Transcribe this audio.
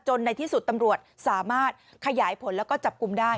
ในที่สุดตำรวจสามารถขยายผลแล้วก็จับกลุ่มได้